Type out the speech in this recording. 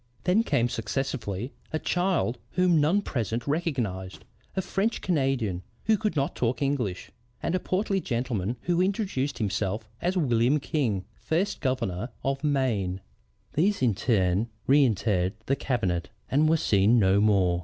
Then came successively a child whom none present recognized, a French Canadian who could not talk English, and a portly gentleman who introduced himself as William King, first Governor of Maine. These in turn reëntered the cabinet and were seen no more.